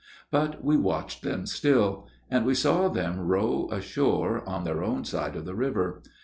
But we watched them still; and we saw them row ashore, on their own side of the river.